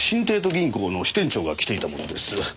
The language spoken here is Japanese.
銀行の支店長が着ていたものです。